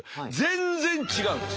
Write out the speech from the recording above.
全然違うんです。